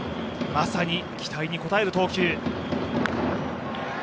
まさに期待に応える投球。